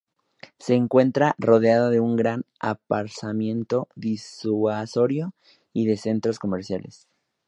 Se encuentra rodeada de un gran aparcamiento disuasorio y de centros comerciales.